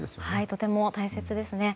とても大切ですね。